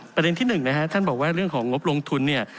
ประเด็นที่หนึ่งนะฮะท่านบอกว่าเรื่องของงบลงทุนเนี่ย